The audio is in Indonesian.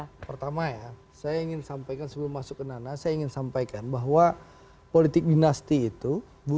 ya pertama ya saya ingin sampaikan sebelum masuk ke nana saya ingin sampaikan bahwa politik dinasti itu